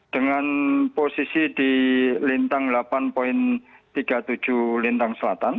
dengan posisi di lintang delapan tiga puluh tujuh lintang selatan